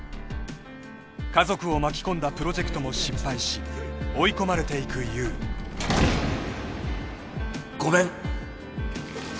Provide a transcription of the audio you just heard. ［家族を巻き込んだプロジェクトも失敗し追い込まれていく優］ごめん。